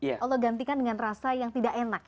allah gantikan dengan rasa yang tidak enak